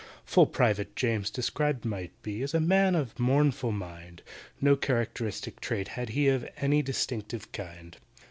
FULL PRIVATE JAMES described might be, As a man of a mournful mind; No characteristic trait had he Of any distinctive kind.